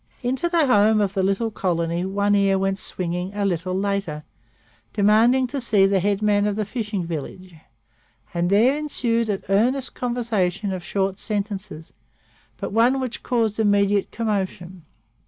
Into the home of the little colony One Ear went swinging a little later, demanding to see the head man of the fishing village, and there ensued an earnest conversation of short sentences, but one which caused immediate commotion.